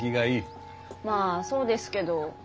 まあそうですけど。